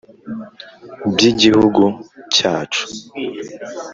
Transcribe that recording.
By’igihugu cyacu;